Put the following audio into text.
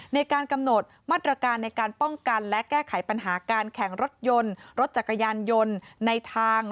ในการกำหนดมาตรการในการป้องกันและแก้ไขปัญหาการแข่งรถยนต์รถจักรยานยนต์ในทาง